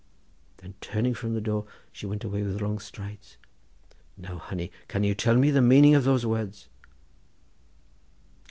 Then turning from the door she went away with long strides. Now, honey, can ye tell me the meaning of those words?"